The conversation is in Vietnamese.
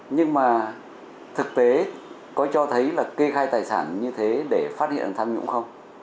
nhưng mà thực tế có cho thấy là kê khai tài sản như thế để phát hiện tham nhũng không